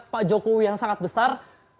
pak jokowi yang sangat besar